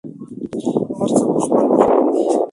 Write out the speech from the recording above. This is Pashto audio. هر څه په خپل وخت وکړئ.